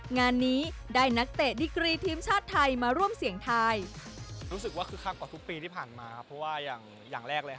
งานนี้ได้นักเตะดิกรีทีมชาติไทยมาร่วมเสี่ยงไทย